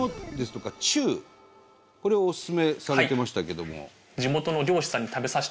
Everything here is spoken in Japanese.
これをおすすめされてましたけども。